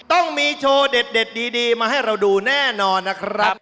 ต้องมีโชว์เด็ดดีมาให้เราดูแน่นอนนะครับ